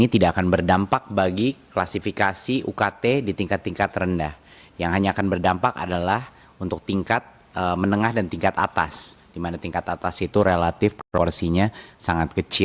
tolong ini menjadi catatan